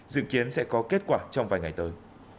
dự kiến sẽ có kết quả trong vài ngày tới